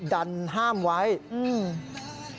ดันห้ามไวจ์